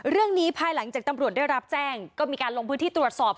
ภายหลังจากตำรวจได้รับแจ้งก็มีการลงพื้นที่ตรวจสอบ